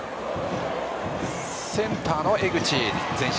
センターの江口。